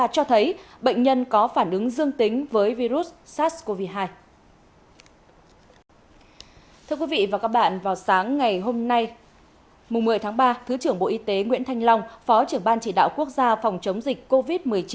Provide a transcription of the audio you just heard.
cho thấy bệnh nhân có phản ứng dương tính với virus sars cov hai